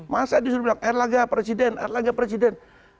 masa dia sudah bilang erlangga presiden erlangga presiden